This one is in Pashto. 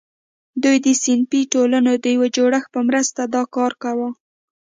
دوی د صنفي ټولنو د یو جوړښت په مرسته دا کار کاوه.